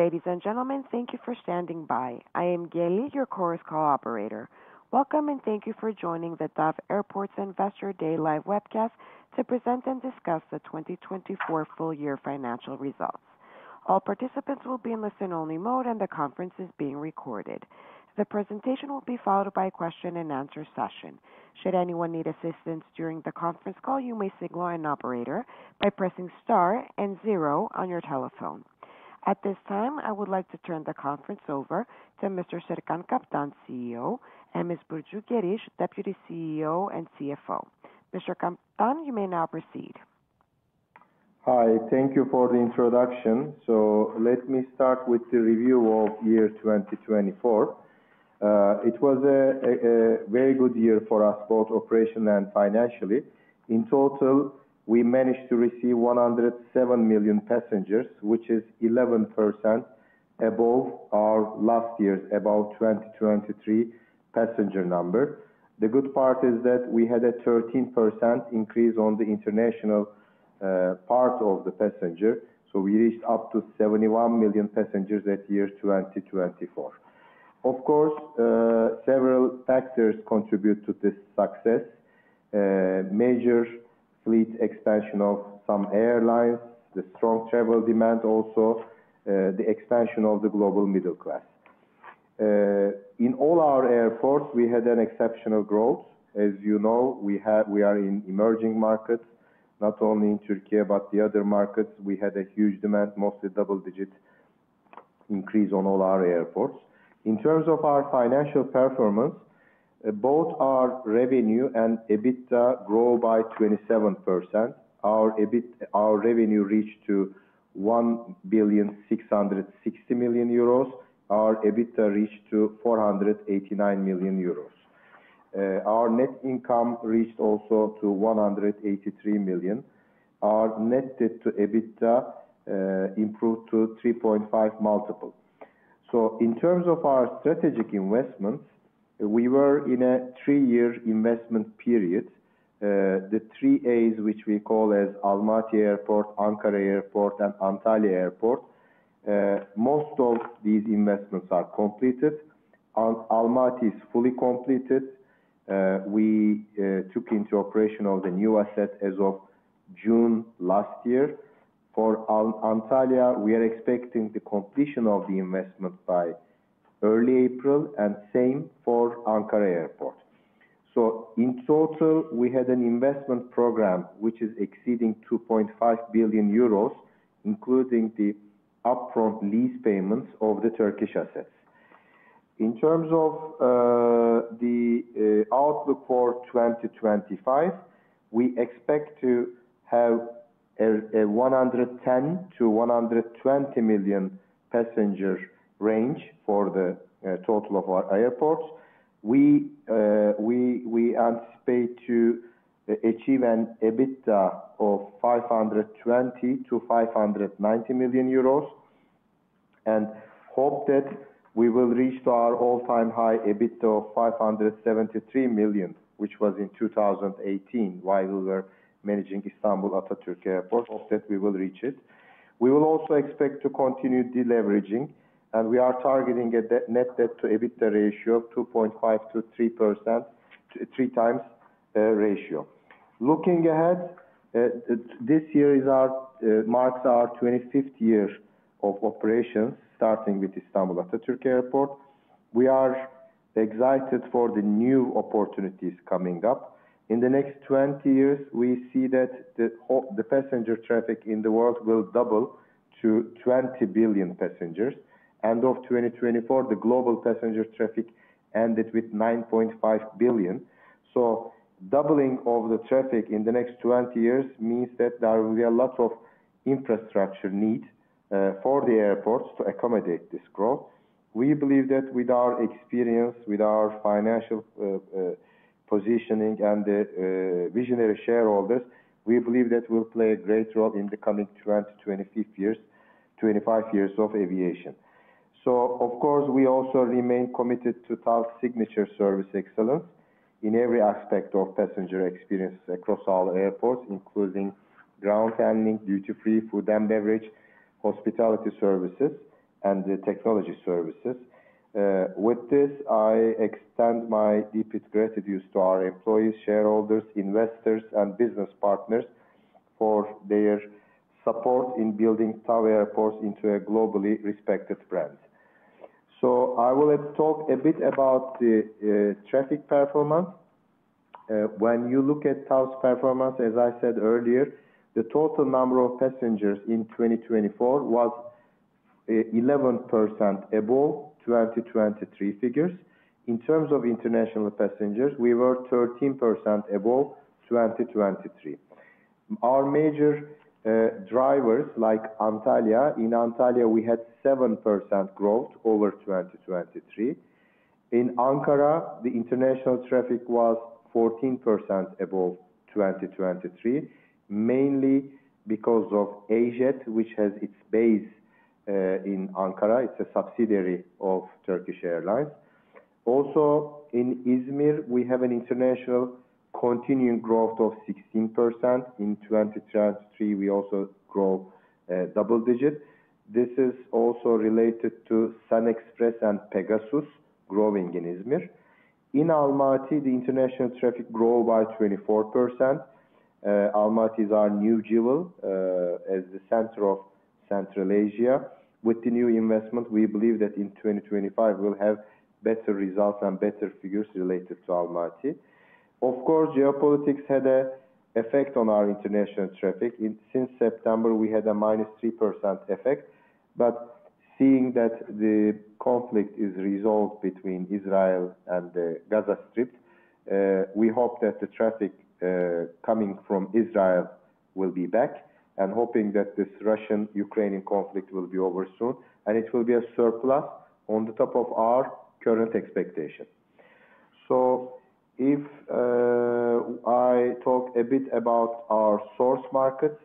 Ladies and gentlemen, thank you for standing by. I am Kelly, your Chorus Call operator. Welcome and thank you for joining the TAV Airports Investor Day Live webcast to present and discuss the 2024 full-year financial results. All participants will be in listen-only mode, and the conference is being recorded. The presentation will be followed by a question-and-answer session. Should anyone need assistance during the conference call, you may signal an operator by pressing star and zero on your telephone. At this time, I would like to turn the conference over to Mr. Serkan Kaptan, CEO, and Ms. Burcu Geriş, Deputy CEO and CFO. Mr. Kaptan, you may now proceed. Hi. Thank you for the introduction. Let me start with the review of year 2024. It was a very good year for us, both operationally and financially. In total, we managed to receive 107 million passengers, which is 11% above our last year's, about 2023, passenger number. The good part is that we had a 13% increase on the international part of the passenger, so we reached up to 71 million passengers at year 2024. Of course, several factors contribute to this success: major fleet expansion of some airlines, the strong travel demand, also the expansion of the global middle class. In all our airports, we had an exceptional growth. As you know, we are in emerging markets, not only in Turkey, but the other markets. We had a huge demand, mostly double-digit increase on all our airports. In terms of our financial performance, both our revenue and EBITDA grew by 27%. Our revenue reached to 1.66 billion. Our EBITDA reached to 489 million euros. Our net income reached also to 183 million. Our net debt to EBITDA improved to 3.5 multiple. So in terms of our strategic investments, we were in a three-year investment period. The three A's, which we call Almaty Airport, Ankara Airport, and Antalya Airport, most of these investments are completed. Almaty is fully completed. We took into operation of the new asset as of June last year. For Antalya, we are expecting the completion of the investment by early April, and same for Ankara Airport. So in total, we had an investment program which is exceeding 2.5 billion euros, including the upfront lease payments of the Turkish assets. In terms of the outlook for 2025, we expect to have a 110-120 million passenger range for the total of our airports. We anticipate to achieve an EBITDA of 520-590 million euros and hope that we will reach our all-time high EBITDA of 573 million, which was in 2018 while we were managing Istanbul Atatürk Airport. Hope that we will reach it. We will also expect to continue deleveraging, and we are targeting a net debt to EBITDA ratio of 2.5-3 times ratio. Looking ahead, this year marks our 25th year of operations, starting with Istanbul Atatürk Airport. We are excited for the new opportunities coming up. In the next 20 years, we see that the passenger traffic in the world will double to 20 billion passengers. End of 2024, the global passenger traffic ended with 9.5 billion. Doubling of the traffic in the next 20 years means that there will be a lot of infrastructure need for the airports to accommodate this growth. We believe that with our experience, with our financial positioning, and the visionary shareholders, we believe that we'll play a great role in the coming 20-25 years of aviation. Of course, we also remain committed to TAV Signature Service Excellence in every aspect of passenger experience across all airports, including ground handling, duty-free, food and beverage, hospitality services, and technology services. With this, I extend my deepest gratitude to our employees, shareholders, investors, and business partners for their support in building TAV Airports into a globally respected brand. I will talk a bit about the traffic performance. When you look at TAV's performance, as I said earlier, the total number of passengers in 2024 was 11% above 2023 figures. In terms of international passengers, we were 13% above 2023. Our major drivers, like Antalya, in Antalya, we had 7% growth over 2023. In Ankara, the international traffic was 14% above 2023, mainly because of AJet, which has its base in Ankara. It's a subsidiary of Turkish Airlines. Also, in Izmir, we have an international continuing growth of 16%. In 2023, we also grew double digits. This is also related to SunExpress and Pegasus growing in Izmir. In Almaty, the international traffic grew by 24%. Almaty is our new jewel as the center of Central Asia. With the new investment, we believe that in 2025, we'll have better results and better figures related to Almaty. Of course, geopolitics had an effect on our international traffic. Since September, we had a minus 3% effect. Seeing that the conflict is resolved between Israel and the Gaza Strip, we hope that the traffic coming from Israel will be back, hoping that this Russian-Ukrainian conflict will be over soon, and it will be a surplus on the top of our current expectation. If I talk a bit about our source markets,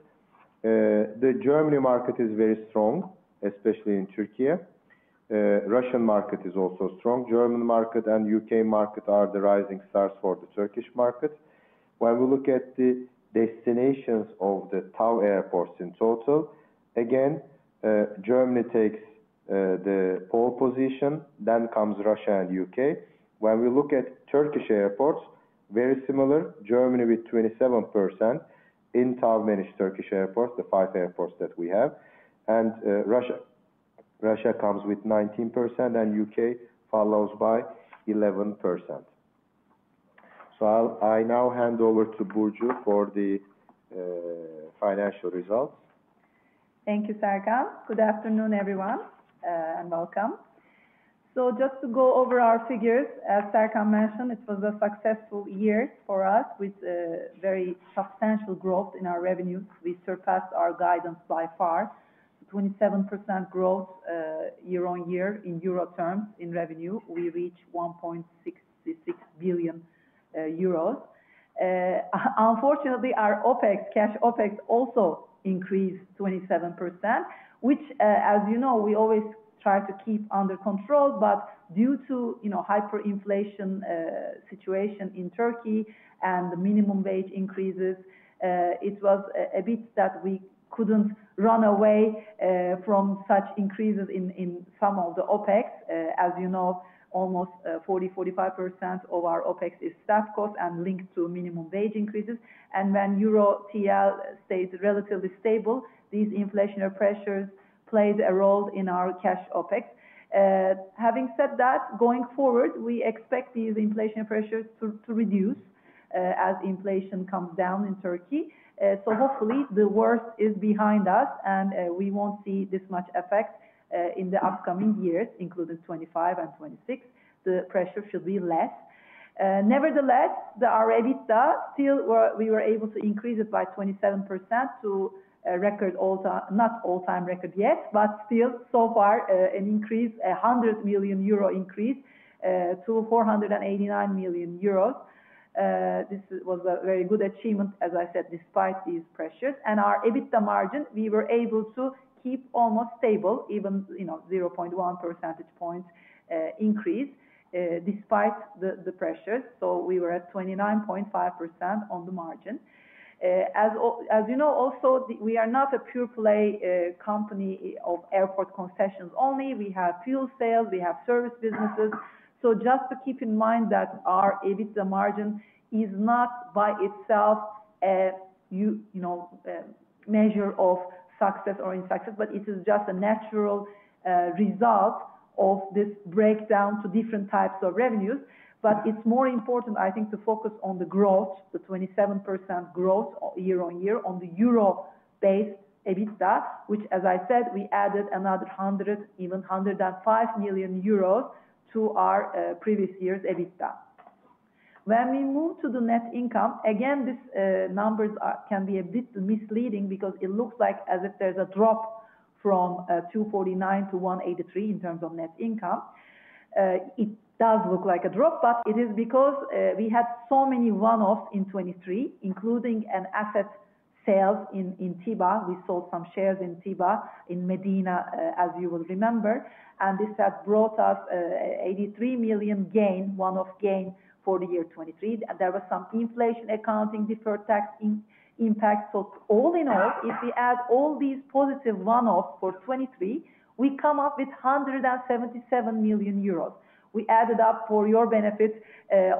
the German market is very strong, especially in Turkey. The Russian market is also strong. The German market and the UK market are the rising stars for the Turkish market. When we look at the destinations of the TAV airports in total, again, Germany takes the pole position. Then comes Russia and the UK. When we look at Turkish airports, very similar. Germany with 27%. In TAV-managed Turkish airports, the five airports that we have. And Russia comes with 19%, and the UK follows by 11%. So I now hand over to Burcu for the financial results. Thank you, Serkan. Good afternoon, everyone, and welcome. So just to go over our figures, as Serkan mentioned, it was a successful year for us with very substantial growth in our revenues. We surpassed our guidance by far. 27% growth year on year in euro terms in revenue. We reached 1.66 billion euros. Unfortunately, our OPEX, cash OPEX, also increased 27%, which, as you know, we always try to keep under control. But due to hyperinflation situation in Turkey and the minimum wage increases, it was a bit that we couldn't run away from such increases in some of the OPEX. As you know, almost 40%-45% of our OPEX is staff costs and linked to minimum wage increases. And when euro TL stays relatively stable, these inflationary pressures played a role in our cash OPEX. Having said that, going forward, we expect these inflationary pressures to reduce as inflation comes down in Turkey. So hopefully, the worst is behind us, and we won't see this much effect in the upcoming years, including 2025 and 2026. The pressure should be less. Nevertheless, our EBITDA, still, we were able to increase it by 27% to record all-time, not all-time record yet, but still, so far, an increase, a 100 million euro increase to 489 million euros. This was a very good achievement, as I said, despite these pressures, and our EBITDA margin, we were able to keep almost stable, even 0.1 percentage point increase despite the pressures. So we were at 29.5% on the margin. As you know, also, we are not a pure-play company of airport concessions only. We have fuel sales. We have service businesses. Just to keep in mind that our EBITDA margin is not by itself a measure of success or unsuccess, but it is just a natural result of this breakdown to different types of revenues. But it's more important, I think, to focus on the growth, the 27% growth year on year on the euro-based EBITDA, which, as I said, we added another 100 million euros, even 105 million euros to our previous year's EBITDA. When we move to the net income, again, these numbers can be a bit misleading because it looks like as if there's a drop from 249 to 183 in terms of net income. It does look like a drop, but it is because we had so many one-offs in 2023, including asset sales in Tibah. We sold some shares in Tibah, in Medina, as you will remember. This had brought us an 83 million gain, one-off gain for the year 2023. There was some inflation accounting, deferred tax impact. All in all, if we add all these positive one-offs for 2023, we come up with 177 million euros. We added up for your benefit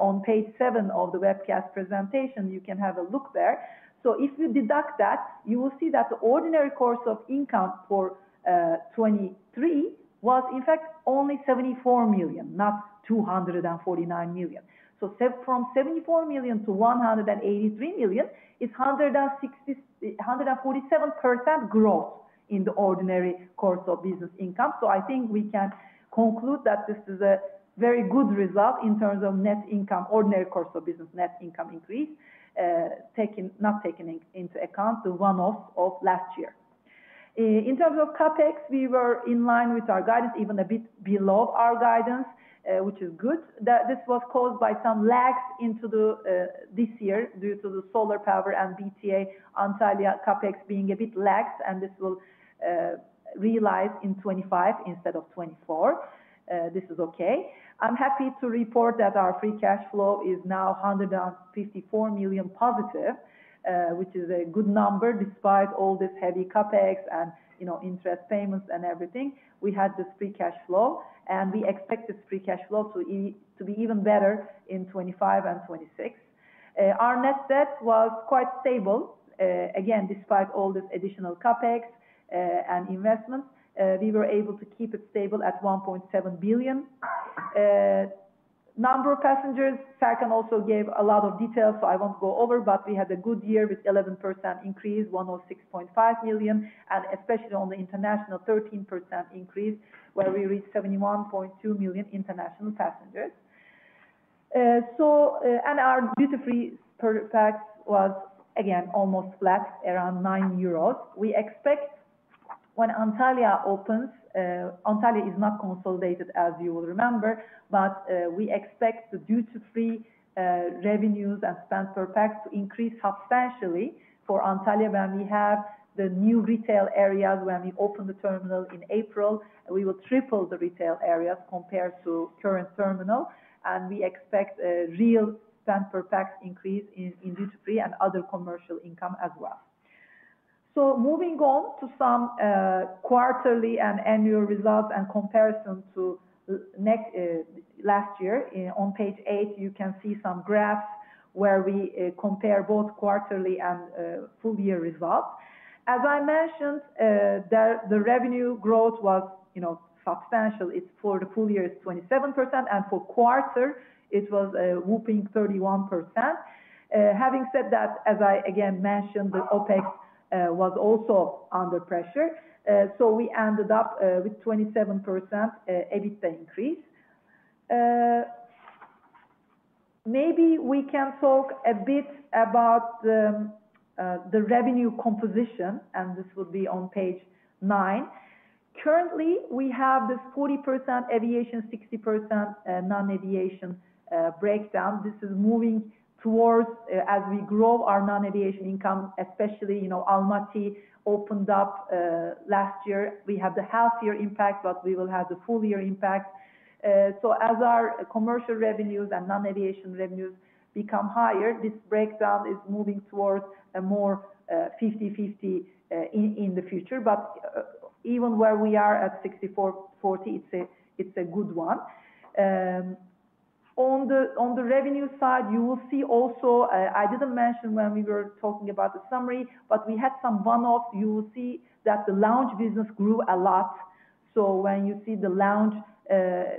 on page 7 of the webcast presentation. You can have a look there. If you deduct that, you will see that the ordinary course of income for 2023 was, in fact, only 74 million, not 249 million. From 74 million to 183 million, it's 147% growth in the ordinary course of business income. I think we can conclude that this is a very good result in terms of net income, ordinary course of business, net income increase, not taking into account the one-offs of last year. In terms of CAPEX, we were in line with our guidance, even a bit below our guidance, which is good. This was caused by some lags into this year due to the solar power and BTA, Antalya CAPEX being a bit lagged, and this will realize in 2025 instead of 2024. This is okay. I'm happy to report that our free cash flow is now 154 million positive, which is a good number despite all this heavy CAPEX and interest payments and everything. We had this free cash flow, and we expect this free cash flow to be even better in 2025 and 2026. Our net debt was quite stable. Again, despite all this additional CAPEX and investments, we were able to keep it stable at 1.7 billion. Number of passengers, Serkan also gave a lot of details, so I won't go over, but we had a good year with 11% increase, 106.5 million, and especially on the international, 13% increase where we reached 71.2 million international passengers. Our duty-free per pax was, again, almost flat, around 9 euros. We expect when Antalya opens, Antalya is not consolidated, as you will remember, but we expect the duty-free revenues and spend per pax to increase substantially for Antalya when we have the new retail areas when we open the terminal in April. We will triple the retail areas compared to current terminal, and we expect a real spend per pax increase in duty-free and other commercial income as well. Moving on to some quarterly and annual results and comparison to last year, on page eight, you can see some graphs where we compare both quarterly and full-year results. As I mentioned, the revenue growth was substantial. For the full year, it's 27%, and for quarter, it was a whopping 31%. Having said that, as I again mentioned, the OPEX was also under pressure. We ended up with 27% EBITDA increase. Maybe we can talk a bit about the revenue composition, and this will be on page nine. Currently, we have this 40% aviation, 60% non-aviation breakdown. This is moving towards, as we grow our non-aviation income, especially Almaty opened up last year. We have the half-year impact, but we will have the full-year impact. As our commercial revenues and non-aviation revenues become higher, this breakdown is moving towards a more 50/50 in the future. Even where we are at 64/40, it's a good one. On the revenue side, you will see also. I didn't mention when we were talking about the summary, but we had some one-offs. You will see that the lounge business grew a lot. When you see the lounge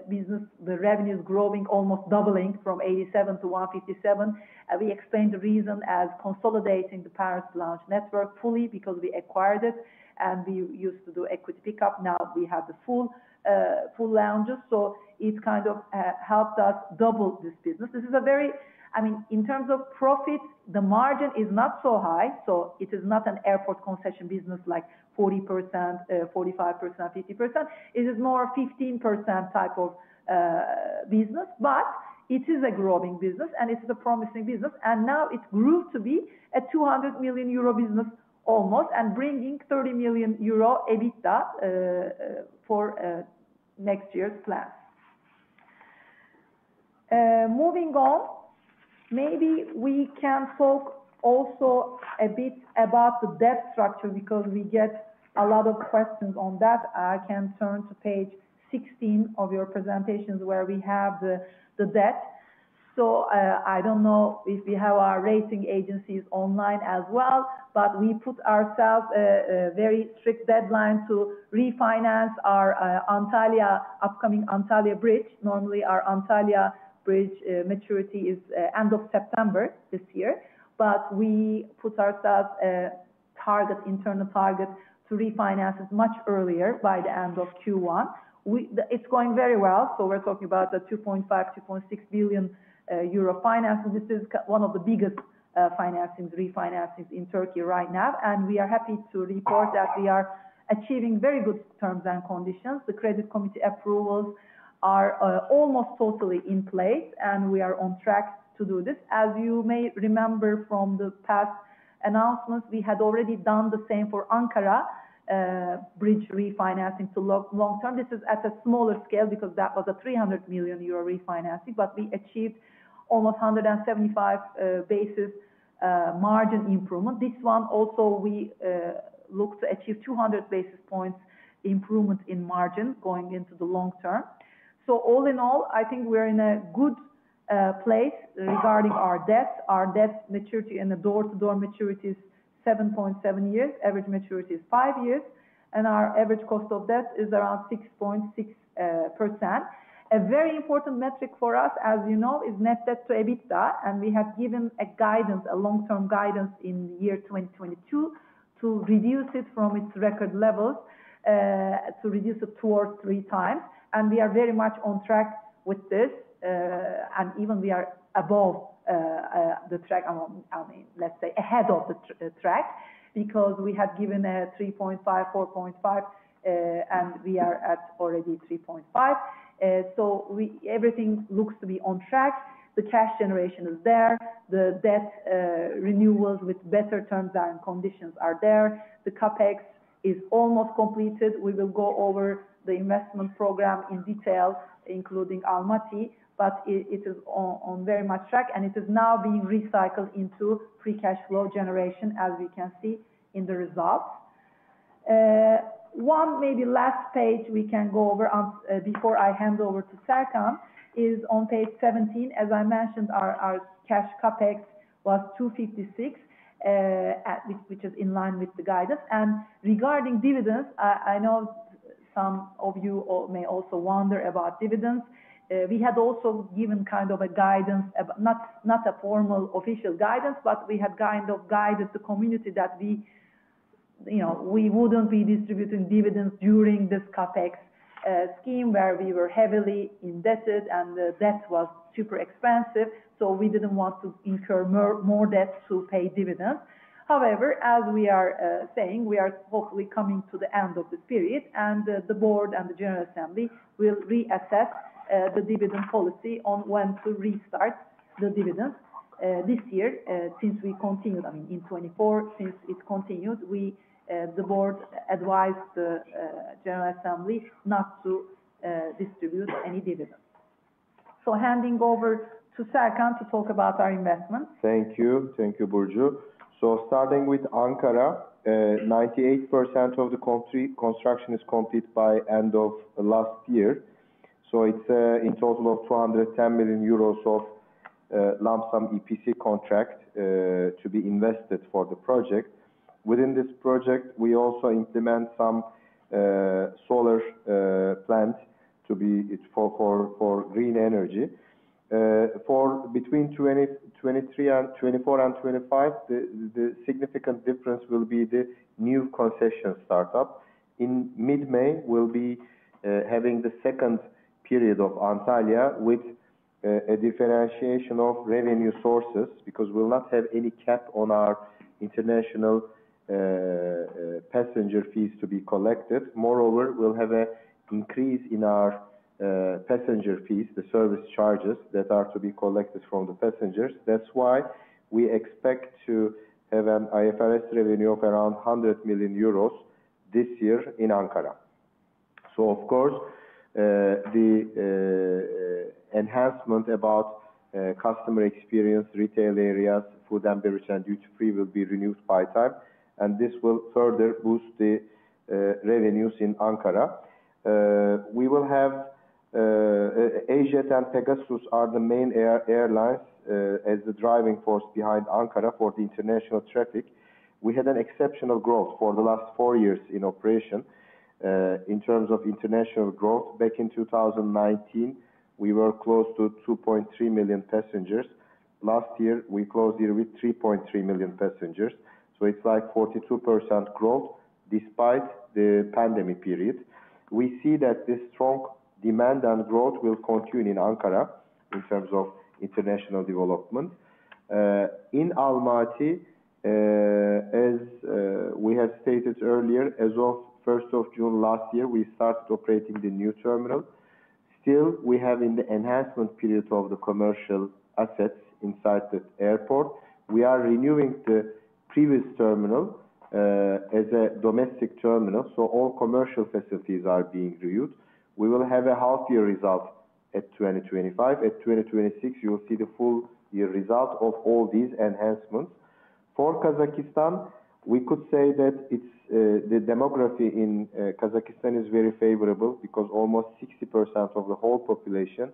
business, the revenues growing, almost doubling from 87 to 157. We explained the reason as consolidating the Paris lounge network fully because we acquired it, and we used to do equity pickup. Now we have the full lounges, so it kind of helped us double this business. This is a very, I mean, in terms of profit, the margin is not so high. It is not an airport concession business like 40%, 45%, 50%. It is more 15% type of business, but it is a growing business, and it is a promising business. And now it grew to be a 200 million euro business almost and bringing 30 million euro EBITDA for next year's plans. Moving on, maybe we can talk also a bit about the debt structure because we get a lot of questions on that. I can turn to page 16 of your presentations where we have the debt. So I don't know if we have our rating agencies online as well, but we put ourselves a very strict deadline to refinance our Antalya, upcoming Antalya Bridge. Normally, our Antalya Bridge maturity is end of September this year, but we put ourselves a target, internal target, to refinance it much earlier by the end of Q1. It's going very well. So we're talking about the 2.5-2.6 billion euro finances. This is one of the biggest refinancings in Turkey right now. We are happy to report that we are achieving very good terms and conditions. The credit committee approvals are almost totally in place, and we are on track to do this. As you may remember from the past announcements, we had already done the same for Ankara Bridge refinancing to long term. This is at a smaller scale because that was a 300 million euro refinancing, but we achieved almost 175 basis margin improvement. This one also, we look to achieve 200 basis points improvement in margin going into the long term. So all in all, I think we're in a good place regarding our debt. Our debt maturity and the door-to-door maturity is 7.7 years. Average maturity is five years, and our average cost of debt is around 6.6%. A very important metric for us, as you know, is net debt to EBITDA, and we have given a guidance, a long-term guidance in year 2022 to reduce it from its record levels to reduce it towards three times, and we are very much on track with this, and even we are above the track. I mean, let's say ahead of the track because we have given a 3.5, 4.5, and we are at already 3.5, so everything looks to be on track. The cash generation is there. The debt renewals with better terms and conditions are there. The CAPEX is almost completed. We will go over the investment program in detail, including Almaty, but it is on very much track, and it is now being recycled into free cash flow generation, as we can see in the results. One maybe last page we can go over before I hand over to Serkan is on page 17. As I mentioned, our cash CAPEX was 256, which is in line with the guidance, and regarding dividends, I know some of you may also wonder about dividends. We had also given kind of a guidance, not a formal official guidance, but we had kind of guided the community that we wouldn't be distributing dividends during this CAPEX scheme where we were heavily indebted, and the debt was super expensive. So we didn't want to incur more debt to pay dividends. However, as we are saying, we are hopefully coming to the end of this period, and the board and the general assembly will reassess the dividend policy on when to restart the dividends this year since we continued, I mean, in 2024, since it continued. The board advised the general assembly not to distribute any dividends. So handing over to Serkan to talk about our investments. Thank you. Thank you, Burcu. So starting with Ankara, 98% of the construction is complete by end of last year. So it's in total of 210 million euros of lump sum EPC contract to be invested for the project. Within this project, we also implement some solar plant for green energy. Between 2024 and 2025, the significant difference will be the new concession startup. In mid-May, we'll be having the second period of Antalya with a differentiation of revenue sources because we'll not have any cap on our international passenger fees to be collected. Moreover, we'll have an increase in our passenger fees, the service charges that are to be collected from the passengers. That's why we expect to have an IFRS revenue of around 100 million euros this year in Ankara. So, of course, the enhancement about customer experience, retail areas, food and beverage, and duty-free will be renewed by time, and this will further boost the revenues in Ankara. We will have AJet and Pegasus as the main airlines as the driving force behind Ankara for the international traffic. We had an exceptional growth for the last four years in operation. In terms of international growth, back in 2019, we were close to 2.3 million passengers. Last year, we closed year with 3.3 million passengers. So it's like 42% growth despite the pandemic period. We see that this strong demand and growth will continue in Ankara in terms of international development. In Almaty, as we have stated earlier, as of 1st of June last year, we started operating the new terminal. Still, we have in the enhancement period of the commercial assets inside the airport. We are renewing the previous terminal as a domestic terminal, so all commercial facilities are being renewed. We will have a half-year result at 2025. At 2026, you'll see the full-year result of all these enhancements. For Kazakhstan, we could say that the demography in Kazakhstan is very favorable because almost 60% of the whole population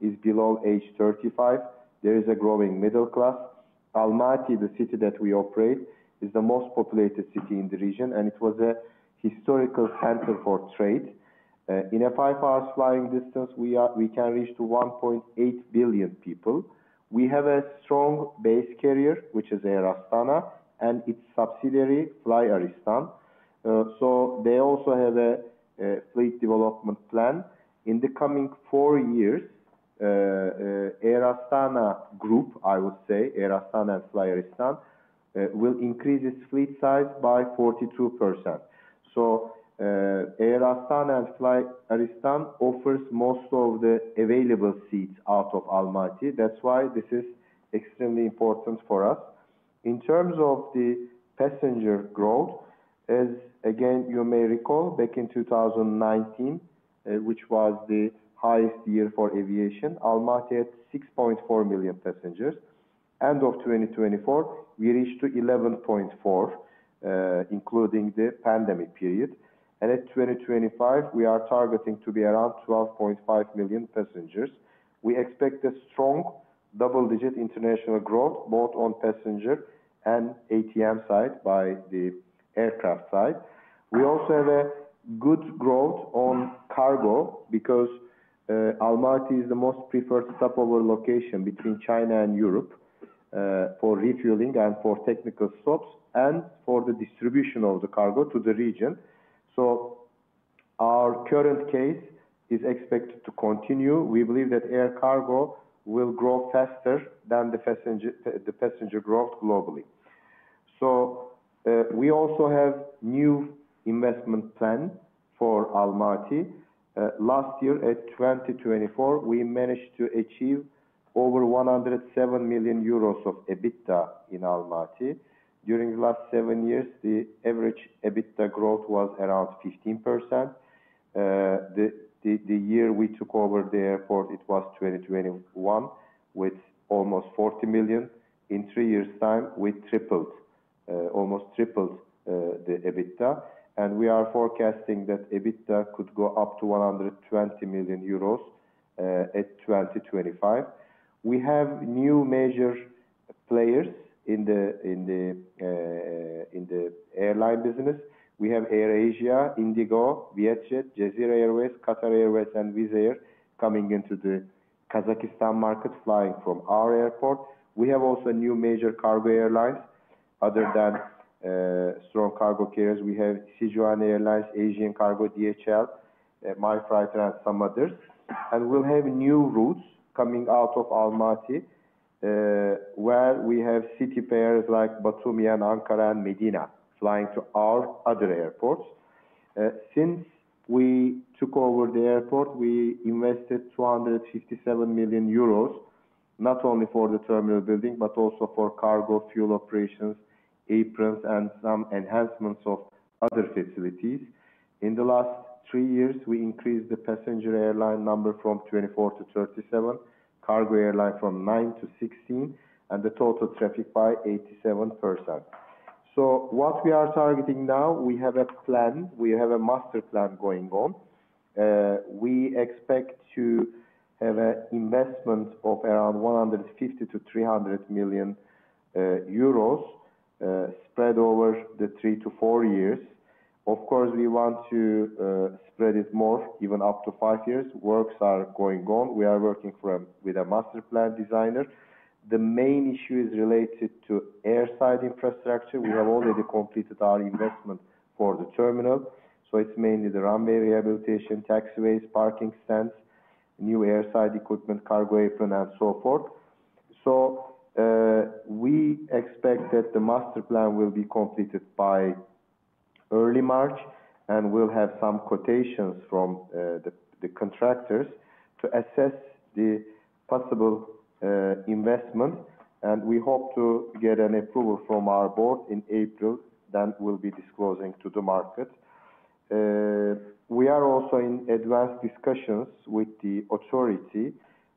is below age 35. There is a growing middle class. Almaty, the city that we operate, is the most populated city in the region, and it was a historical center for trade. In a five-hour flying distance, we can reach to 1.8 billion people. We have a strong base carrier, which is Air Astana, and its subsidiary, FlyArystan. So they also have a fleet development plan. In the coming four years, Air Astana Group, I would say, Air Astana and FlyArystan, will increase its fleet size by 42%. So Air Astana and FlyArystan offers most of the available seats out of Almaty. That's why this is extremely important for us. In terms of the passenger growth, as again, you may recall, back in 2019, which was the highest year for aviation, Almaty had 6.4 million passengers. End of 2024, we reached to 11.4, including the pandemic period. And at 2025, we are targeting to be around 12.5 million passengers. We expect a strong double-digit international growth both on passenger and ATM side by the aircraft side. We also have a good growth on cargo because Almaty is the most preferred stopover location between China and Europe for refueling and for technical stops and for the distribution of the cargo to the region. So our current case is expected to continue. We believe that air cargo will grow faster than the passenger growth globally. So we also have new investment plan for Almaty. Last year, at 2024, we managed to achieve over 107 million euros of EBITDA in Almaty. During the last seven years, the average EBITDA growth was around 15%. The year we took over the airport, it was 2021, with almost 40 million. In three years' time, we tripled, almost tripled the EBITDA. And we are forecasting that EBITDA could go up to 120 million euros at 2025. We have new major players in the airline business. We have AirAsia, IndiGo, VietJet Air, Jazeera Airways, Qatar Airways, and Wizz Air coming into the Kazakhstan market flying from our airport. We have also new major cargo airlines. Other than strong cargo carriers, we have Sichuan Airlines, Asiana Cargo, DHL, MyFreighter, and some others. We'll have new routes coming out of Almaty where we have city pairs like Batumi and Ankara and Medina flying to our other airports. Since we took over the airport, we invested 257 million euros not only for the terminal building but also for cargo fuel operations, aprons, and some enhancements of other facilities. In the last three years, we increased the passenger airline number from 24 to 37, cargo airline from 9 to 16, and the total traffic by 87%. What we are targeting now, we have a plan. We have a master plan going on. We expect to have an investment of around 150-300 million euros spread over the three to four years. Of course, we want to spread it more, even up to five years. Works are going on. We are working with a master plan designer. The main issue is related to airside infrastructure. We have already completed our investment for the terminal. So it's mainly the runway rehabilitation, taxiways, parking stands, new airside equipment, cargo apron, and so forth. So we expect that the master plan will be completed by early March, and we'll have some quotations from the contractors to assess the possible investment. And we hope to get an approval from our board in April that we'll be disclosing to the market. We are also in advanced discussions with the authority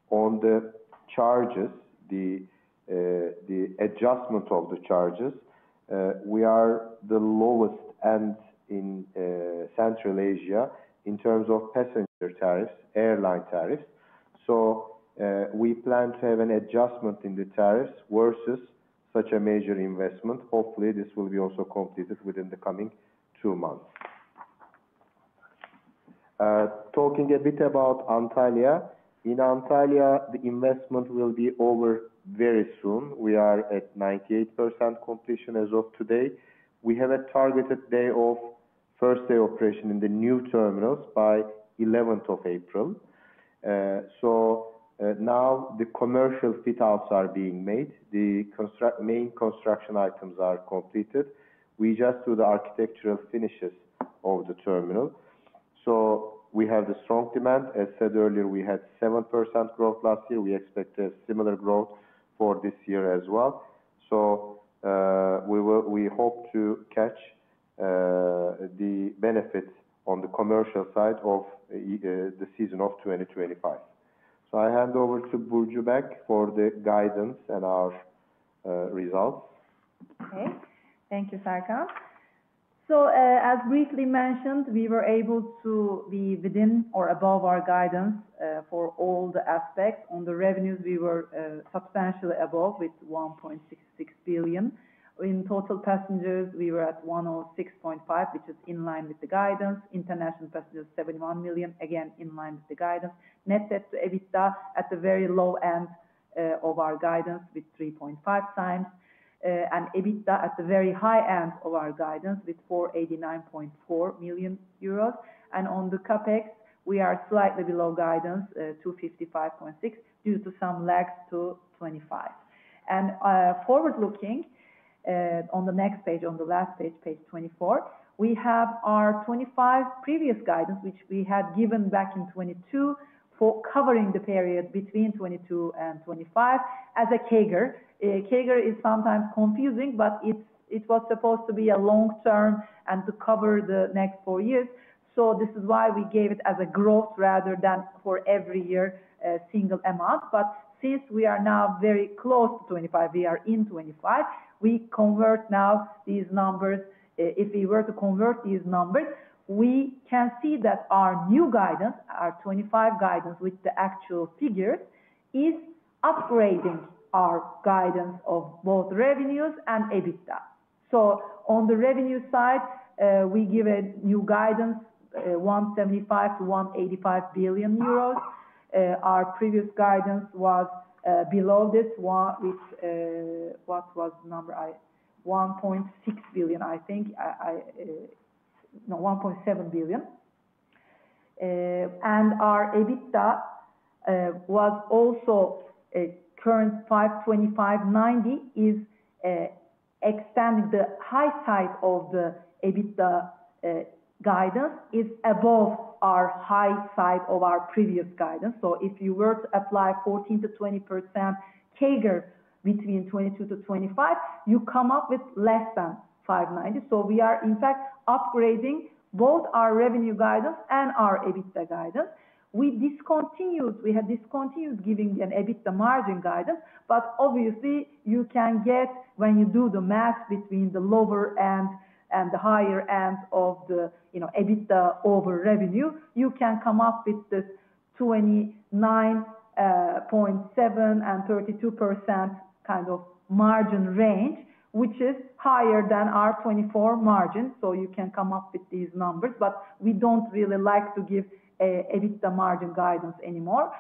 on the charges, the adjustment of the charges. We are the lowest end in Central Asia in terms of passenger tariffs, airline tariffs. So we plan to have an adjustment in the tariffs versus such a major investment. Hopefully, this will be also completed within the coming two months. Talking a bit about Antalya. In Antalya, the investment will be over very soon. We are at 98% completion as of today. We have a targeted day of first-day operation in the new terminals by 11th of April. So now the commercial fit-outs are being made. The main construction items are completed. We just do the architectural finishes of the terminal. So we have the strong demand. As said earlier, we had 7% growth last year. We expect a similar growth for this year as well. So we hope to catch the benefits on the commercial side of the season of 2025. So I hand over to Burcu back for the guidance and our results. Okay. Thank you, Serkan. So as briefly mentioned, we were able to be within or above our guidance for all the aspects. On the revenues, we were substantially above with 1.66 billion. In total passengers, we were at 106.5, which is in line with the guidance. International passengers, 71 million, again in line with the guidance. Net debt to EBITDA at the very low end of our guidance with 3.5 times. And EBITDA at the very high end of our guidance with 489.4 million euros. And on the CAPEX, we are slightly below guidance, 255.6, due to some lags to 2025. And forward-looking, on the next page, on the last page, page 24, we have our 2025 previous guidance, which we had given back in 2022 for covering the period between 2022 and 2025 as a CAGR. CAGR is sometimes confusing, but it was supposed to be a long-term and to cover the next four years. So this is why we gave it as a growth rather than for every year a single amount. But since we are now very close to 25, we are in 25, we convert now these numbers. If we were to convert these numbers, we can see that our new guidance, our 25 guidance with the actual figures, is upgrading our guidance of both revenues and EBITDA. So on the revenue side, we give a new guidance, 175 billion-185 billion euros. Our previous guidance was below this, what was the number? 1.6 billion, I think. No, 1.7 billion. And our EBITDA was also currently 525.9. It is extending the high side of the EBITDA guidance. It is above our high side of our previous guidance. So if you were to apply 14%-20% CAGR between 22 to 25, you come up with less than 590. So we are, in fact, upgrading both our revenue guidance and our EBITDA guidance. We discontinued giving an EBITDA margin guidance, but obviously, you can get when you do the math between the lower end and the higher end of the EBITDA over revenue, you can come up with this 29.7% and 32% kind of margin range, which is higher than our 24% margin. So you can come up with these numbers, but we don't really like to give EBITDA margin guidance anymore.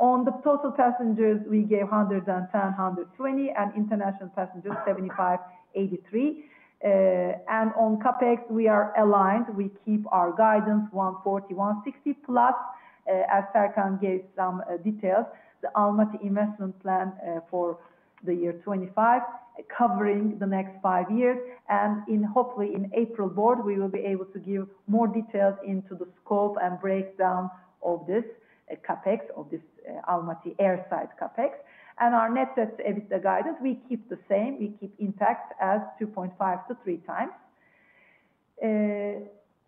On the total passengers, we gave 110-120, and international passengers, 75-83. And on CAPEX, we are aligned. We keep our guidance, 140-160 plus, as Serkan gave some details, the Almaty Investment Plan for the year 2025, covering the next five years. And hopefully, in April board, we will be able to give more details into the scope and breakdown of this CAPEX, of this Almaty airside CAPEX. Our net debt to EBITDA guidance, we keep the same. We keep it at 2.5-3 times.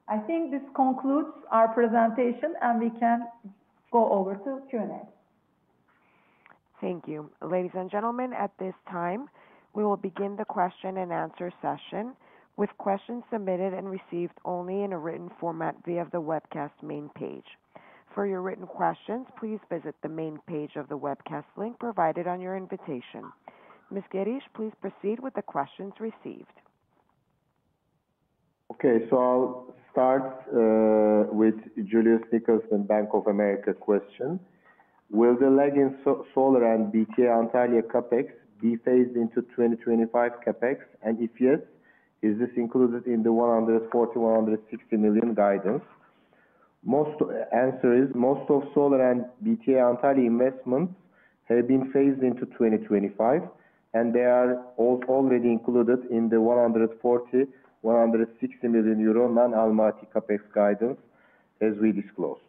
I think this concludes our presentation, and we can go over to Q&A. Thank you. Ladies and gentlemen, at this time, we will begin the question and answer session with questions submitted and received only in a written format via the webcast main page. For your written questions, please visit the main page of the webcast link provided on your invitation. Ms. Geriş, please proceed with the questions received. Okay. So I'll start with Julius Nicholson, Bank of America question. Will the lagging solar and BTA Antalya CAPEX be phased into 2025 CAPEX? And if yes, is this included in the €140-160 million guidance? answer is most of solar and BTA Antalya investments have been phased into 2025, and they are already included in the 140-160 million euro non-Almaty CAPEX guidance as we disclosed.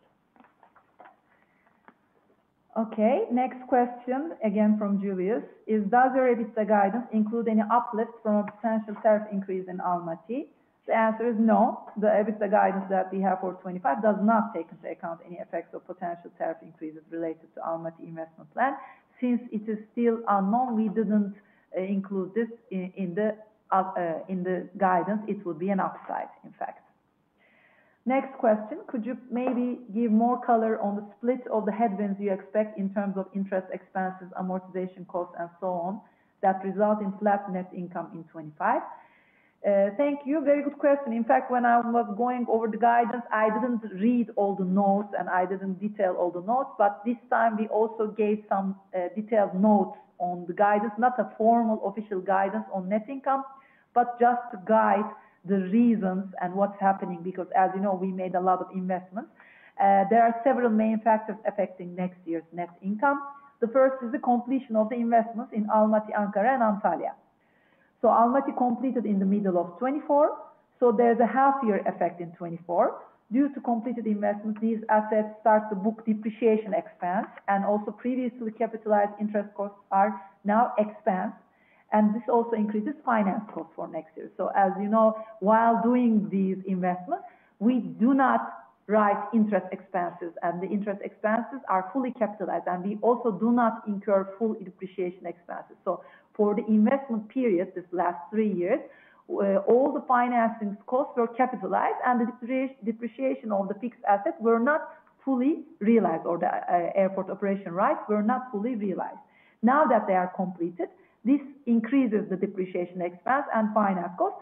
Okay. Next question, again from Julius, is does the EBITDA guidance include any uplift from a potential tariff increase in Almaty? The answer is no. The EBITDA guidance that we have for 2025 does not take into account any effects of potential tariff increases related to Almaty investment plan. Since it is still unknown, we didn't include this in the guidance. It would be an upside, in fact. Next question, could you maybe give more color on the split of the headwinds you expect in terms of interest, expenses, amortization costs, and so on that result in flat net income in 2025? Thank you. Very good question. In fact, when I was going over the guidance, I didn't read all the notes, and I didn't detail all the notes. But this time, we also gave some detailed notes on the guidance, not a formal official guidance on net income, but just to guide the reasons and what's happening because, as you know, we made a lot of investments. There are several main factors affecting next year's net income. The first is the completion of the investments in Almaty, Ankara, and Antalya. So Almaty completed in the middle of 2024. So there's a half-year effect in 2024. Due to completed investments, these assets start to book depreciation expense, and also previously capitalized interest costs are now expense. And this also increases finance costs for next year. So as you know, while doing these investments, we do not write interest expenses, and the interest expenses are fully capitalized. We also do not incur full depreciation expenses. For the investment period, this last three years, all the financing costs were capitalized, and the depreciation of the fixed assets were not fully realized, or the airport operation rights were not fully realized. Now that they are completed, this increases the depreciation expense and finance costs.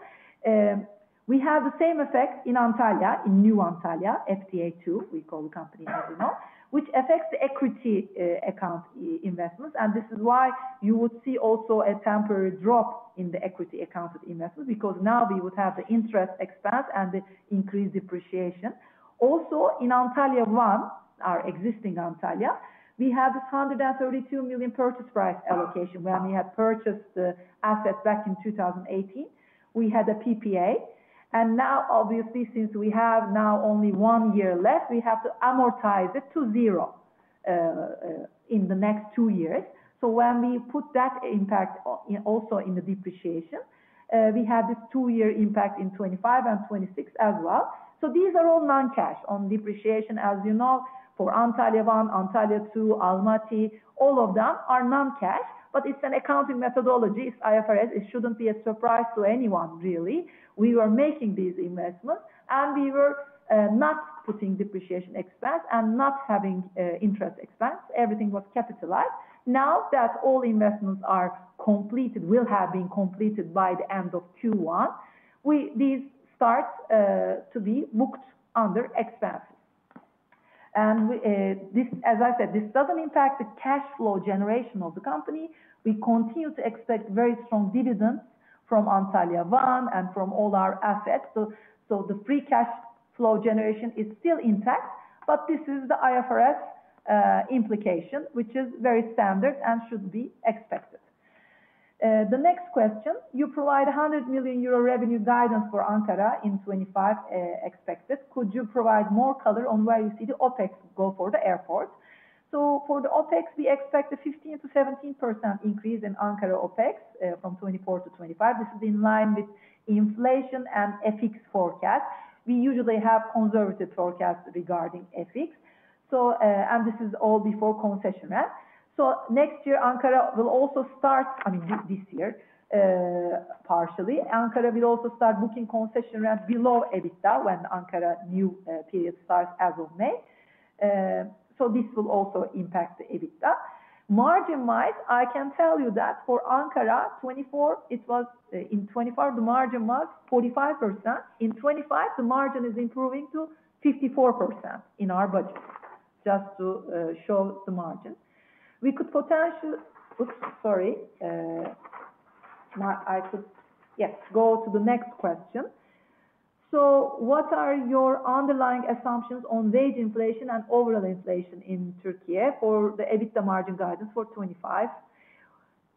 We have the same effect in Antalya, in New Antalya, FTA2, we call the company as we know, which affects the equity-accounted investments. And this is why you would see also a temporary drop in the equity-accounted investment because now we would have the interest expense and the increased depreciation. Also, in Antalya 1, our existing Antalya, we have this 132 million purchase price allocation when we had purchased the asset back in 2018. We had a PPA. And now, obviously, since we have now only one year left, we have to amortize it to zero in the next two years. So when we put that impact also in the depreciation, we have this two-year impact in 2025 and 2026 as well. So these are all non-cash on depreciation. As you know, for Antalya 1, Antalya 2, Almaty, all of them are non-cash, but it's an accounting methodology. It's IFRS. It shouldn't be a surprise to anyone, really. We were making these investments, and we were not putting depreciation expense and not having interest expense. Everything was capitalized. Now that all investments are completed, will have been completed by the end of Q1, these start to be booked under expenses. And as I said, this doesn't impact the cash flow generation of the company. We continue to expect very strong dividends from Antalya 1 and from all our assets. So the free cash flow generation is still intact, but this is the IFRS implication, which is very standard and should be expected. The next question, you provide 100 million euro revenue guidance for Ankara in 2025 expected. Could you provide more color on where you see the OPEX go for the airport? So for the OPEX, we expect a 15%-17% increase in Ankara OPEX from 2024 to 2025. This is in line with inflation and FX forecast. We usually have conservative forecasts regarding FX. And this is all before concession rent. So next year, Ankara will also start, I mean, this year, partially. Ankara will also start booking concession rent below EBITDA when Ankara new period starts as of May. So this will also impact the EBITDA. Margin-wise, I can tell you that for Ankara, 2024, it was in 2024, the margin was 45%. In 2025, the margin is improving to 54% in our budget, just to show the margin. We could potentially - oops, sorry. Yes, go to the next question. So what are your underlying assumptions on wage inflation and overall inflation in Türkiye for the EBITDA margin guidance for 2025?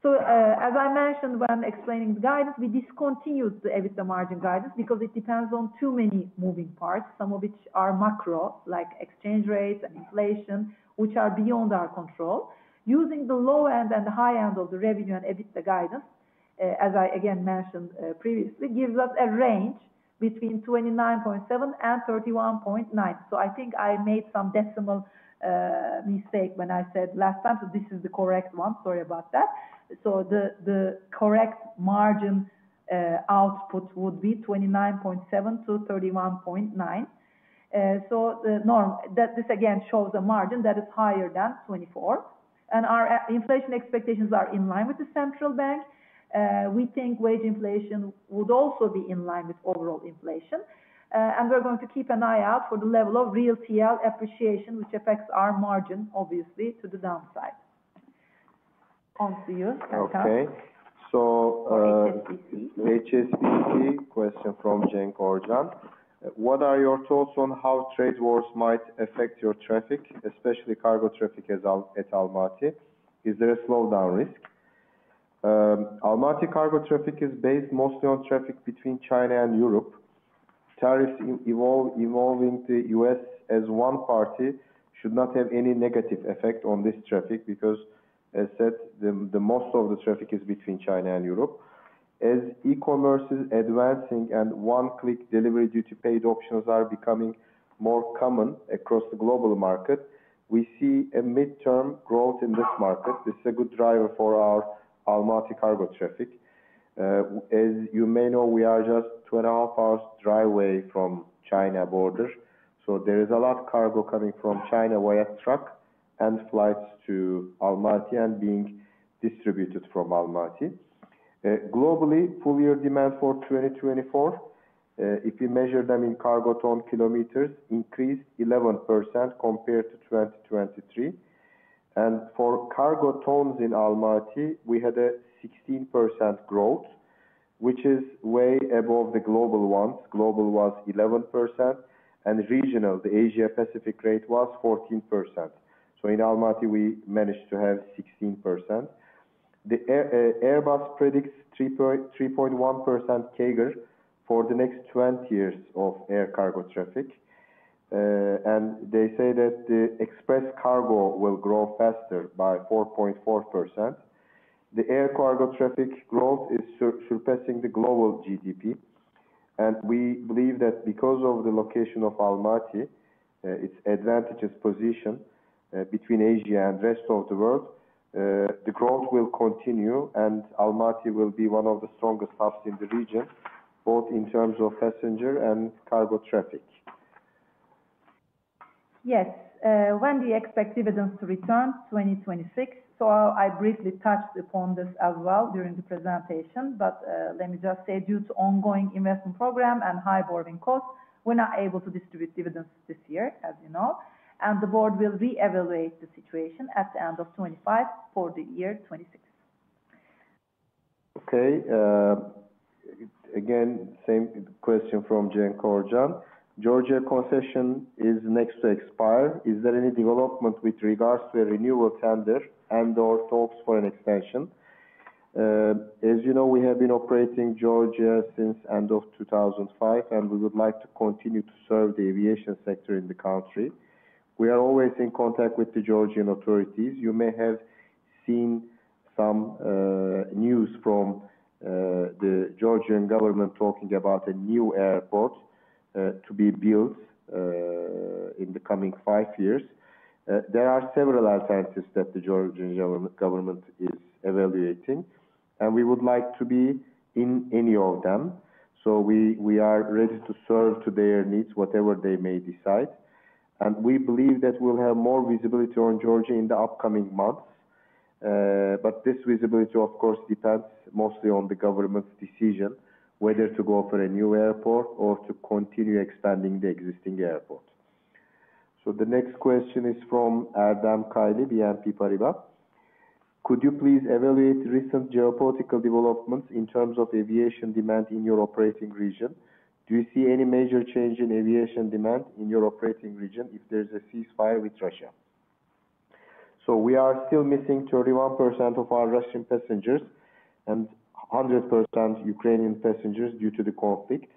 So as I mentioned when explaining the guidance, we discontinued the EBITDA margin guidance because it depends on too many moving parts, some of which are macro, like exchange rates and inflation, which are beyond our control. Using the low end and the high end of the revenue and EBITDA guidance, as I again mentioned previously, gives us a range between 29.7% and 31.9%. So I think I made some decimal mistake when I said last time, so this is the correct one. Sorry about that. The correct margin output would be 29.7%-31.9%. This again shows a margin that is higher than 2024. Our inflation expectations are in line with the central bank. We think wage inflation would also be in line with overall inflation. We're going to keep an eye out for the level of real TL appreciation, which affects our margin, obviously, to the downside. On to you, Serkan. Okay. HSBC question from Cenk Orcan. What are your thoughts on how trade wars might affect your traffic, especially cargo traffic at Almaty? Is there a slowdown risk? Almaty cargo traffic is based mostly on traffic between China and Europe. Tariffs involving the U.S. as one party should not have any negative effect on this traffic because, as said, most of the traffic is between China and Europe. As e-commerce is advancing and one-click delivery duty-paid options are becoming more common across the global market, we see a midterm growth in this market. This is a good driver for our Almaty cargo traffic. As you may know, we are just 12 hours drive away from China border. So there is a lot of cargo coming from China via truck and flights to Almaty and being distributed from Almaty. Globally, full year demand for 2024, if we measure them in cargo tonne kilometers, increased 11% compared to 2023, and for cargo tonnes in Almaty, we had a 16% growth, which is way above the global ones. Global was 11%, and regional, the Asia-Pacific rate was 14%, so in Almaty, we managed to have 16%. The Airbus predicts 3.1% CAGR for the next 20 years of air cargo traffic, and they say that the express cargo will grow faster by 4.4%. The air cargo traffic growth is surpassing the global GDP. And we believe that because of the location of Almaty, its advantageous position between Asia and the rest of the world, the growth will continue, and Almaty will be one of the strongest hubs in the region, both in terms of passenger and cargo traffic. Yes. When do you expect dividends to return? 2026. So I briefly touched upon this as well during the presentation, but let me just say, due to ongoing investment program and high borrowing costs, we're not able to distribute dividends this year, as you know. And the board will re-evaluate the situation at the end of 2025 for the year 2026. Okay. Again, same question from Cenk Orcan. Georgia concession is next to expire. Is there any development with regards to a renewal tender and/or talks for an extension? As you know, we have been operating Georgia since the end of 2005, and we would like to continue to serve the aviation sector in the country. We are always in contact with the Georgian authorities. You may have seen some news from the Georgian government talking about a new airport to be built in the coming five years. There are several alternatives that the Georgian government is evaluating, and we would like to be in any of them. So we are ready to serve to their needs, whatever they may decide. And we believe that we'll have more visibility on Georgia in the upcoming months. But this visibility, of course, depends mostly on the government's decision whether to go for a new airport or to continue expanding the existing airport. So the next question is from Erdem Kaylı, BNP Paribas. Could you please evaluate recent geopolitical developments in terms of aviation demand in your operating region? Do you see any major change in aviation demand in your operating region if there's a ceasefire with Russia? So we are still missing 31% of our Russian passengers and 100% Ukrainian passengers due to the conflict.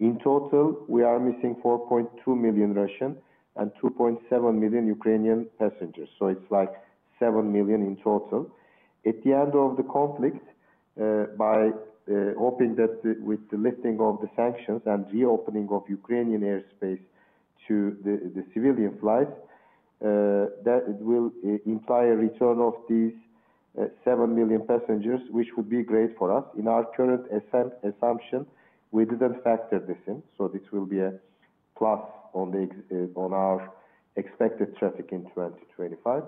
In total, we are missing 4.2 million Russian and 2.7 million Ukrainian passengers. So it's like 7 million in total. At the end of the conflict, by hoping that with the lifting of the sanctions and reopening of Ukrainian airspace to the civilian flights, that it will imply a return of these 7 million passengers, which would be great for us. In our current assumption, we didn't factor this in. So this will be a plus on our expected traffic in 2025.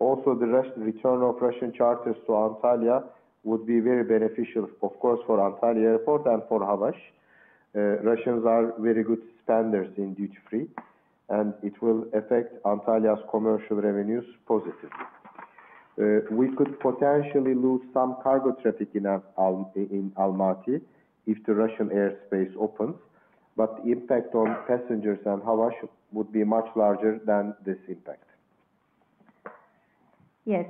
Also, the return of Russian charters to Antalya would be very beneficial, of course, for Antalya Airport and for Havaş. Russians are very good spenders in duty-free, and it will affect Antalya's commercial revenues positively. We could potentially lose some cargo traffic in Almaty if the Russian airspace opens, but the impact on passengers and Havaş would be much larger than this impact. Yes.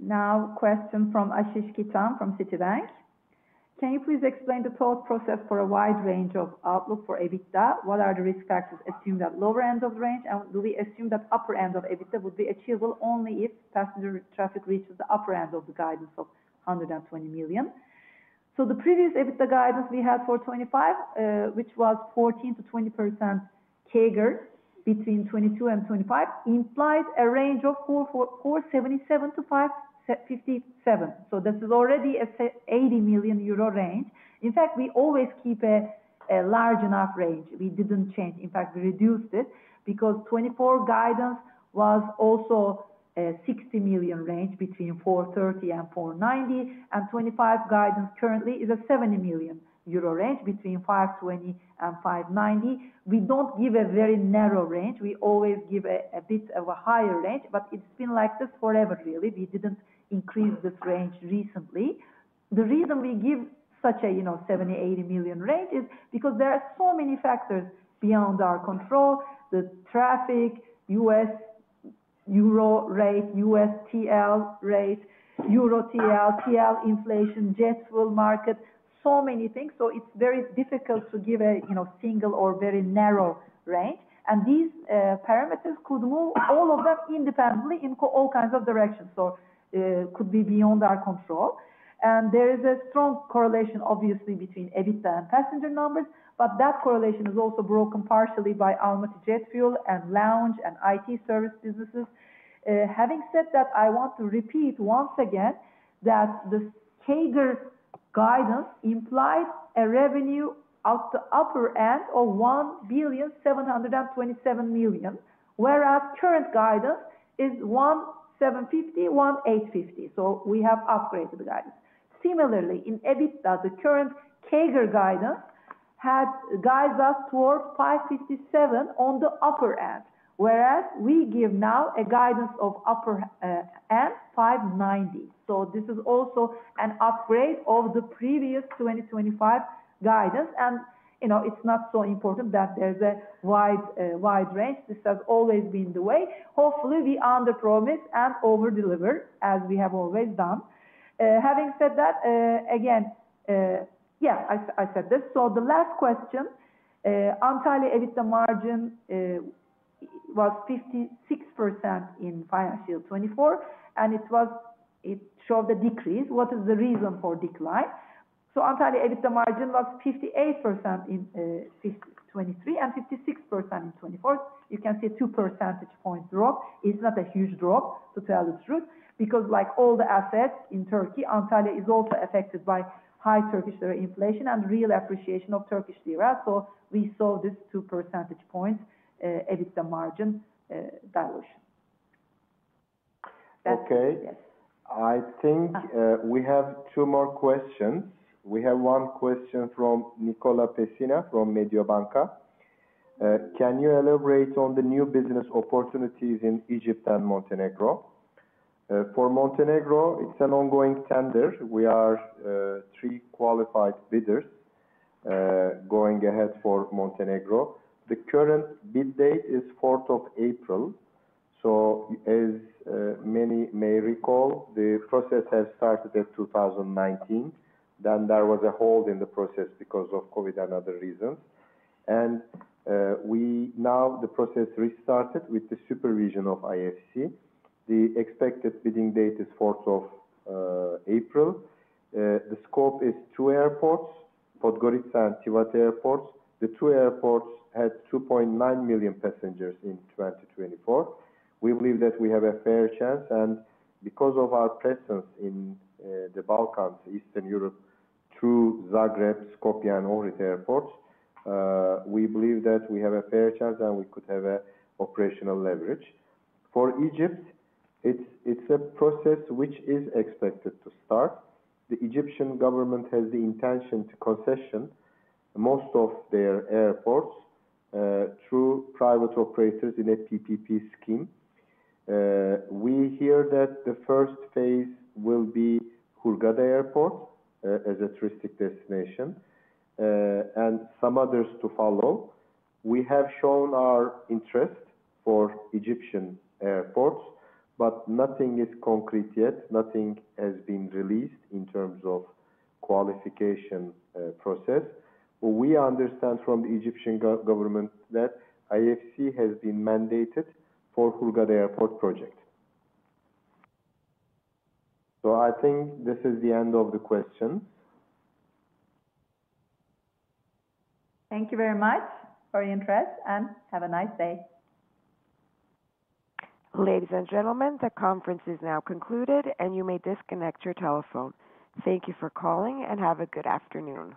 Now, question from Ashish Kitan from Citibank. Can you please explain the thought process for a wide range of outlook for EBITDA? What are the risk factors? Assume that lower end of range, and do we assume that upper end of EBITDA would be achievable only if passenger traffic reaches the upper end of the guidance of 120 million? So the previous EBITDA guidance we had for 2025, which was 14%-20% CAGR between 2022 and 2025, implied a range of 477-557. This is already an 80 million euro range. In fact, we always keep a large enough range. We didn't change. In fact, we reduced it because '24 guidance was also a 60 million range between 430 and 490, and '25 guidance currently is a 70 million euro range between 520 and 590. We don't give a very narrow range. We always give a bit of a higher range, but it's been like this forever, really. We didn't increase this range recently. The reason we give such a 70, 80 million range is because there are so many factors beyond our control: the traffic, US euro rate, US TL rate, Euro TL, TL inflation, jet fuel market, so many things. So it's very difficult to give a single or very narrow range. And these parameters could move all of them independently in all kinds of directions. It could be beyond our control. There is a strong correlation, obviously, between EBITDA and passenger numbers, but that correlation is also broken partially by Almaty Jet Fuel and Lounge and IT service businesses. Having said that, I want to repeat once again that the CAGR guidance implied a revenue at the upper end of 1,727 million, whereas current guidance is 1,750-1,850 million. We have upgraded the guidance. Similarly, in EBITDA, the current CAGR guidance guides us toward 557 million on the upper end, whereas we give now a guidance of upper end 590 million. This is also an upgrade of the previous 2025 guidance, and it's not so important that there's a wide range. This has always been the way. Hopefully, we underpromise and overdeliver, as we have always done. Having said that, again, yeah, I said this. So the last question, Antalya EBITDA margin was 56% in financial 2024, and it showed a decrease. What is the reason for decline? So Antalya EBITDA margin was 58% in 2023 and 56% in 2024. You can see a two percentage point drop. It's not a huge drop, to tell the truth, because like all the assets in Turkey, Antalya is also affected by high Turkish lira inflation and real appreciation of Turkish lira. So we saw this two percentage point EBITDA margin dilution. Okay. I think we have two more questions. We have one question from Niccolò Pessina from Mediobanca. Can you elaborate on the new business opportunities in Egypt and Montenegro? For Montenegro, it's an ongoing tender. We are three qualified bidders going ahead for Montenegro. The current bid date is 4th of April. So as many may recall, the process has started in 2019. Then there was a hold in the process because of COVID and other reasons. And now the process restarted with the supervision of IFC. The expected bidding date is 4th of April. The scope is two airports, Podgorica and Tivat Airports. The two airports had 2.9 million passengers in 2024. We believe that we have a fair chance. And because of our presence in the Balkans, Eastern Europe, through Zagreb, Skopje, and Ohrid airports, we believe that we have a fair chance and we could have an operational leverage. For Egypt, it's a process which is expected to start. The Egyptian government has the intention to concession most of their airports through private operators in a PPP scheme. We hear that the first phase will be Hurghada Airport as a touristic destination and some others to follow. We have shown our interest for Egyptian airports, but nothing is concrete yet. Nothing has been released in terms of qualification process. We understand from the Egyptian government that IFC has been mandated for Hurghada Airport project. So I think this is the end of the questions. Thank you very much for your interest and have a nice day. Ladies and gentlemen, the conference is now concluded, and you may disconnect your telephone. Thank you for calling and have a good afternoon.